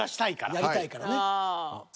やりたいからね。